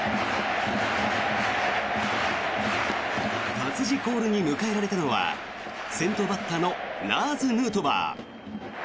タツジコールに迎えられたのは先頭バッターのラーズ・ヌートバー。